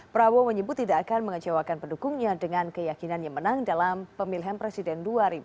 prabowo menyebut tidak akan mengecewakan pendukungnya dengan keyakinan yang menang dalam pemilihan presiden dua ribu sembilan belas